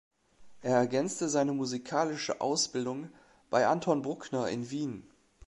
Er ergänzte seine musikalische Ausbildung bei Anton Bruckner in Wien.